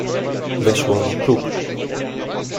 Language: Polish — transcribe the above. "Weszła na próg."